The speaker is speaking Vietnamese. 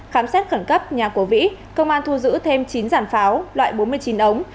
khám xét khẩn cấp nhà của vĩ công an thu giữ thêm chín giản pháo loại bốn mươi chín ống